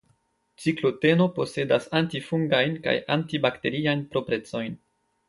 Cikloteno posedas antifungajn kaj antibakteriajn proprecojn.